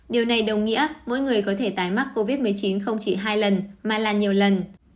điều này đồng nghĩa mỗi người có thể tái mắc covid một mươi chín không chỉ hai lần mà là nhiều lần